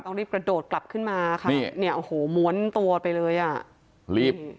รีบกระโดดกลับขึ้นมาค่ะเนี่ยโอ้โหม้วนตัวไปเลยอ่ะรีบ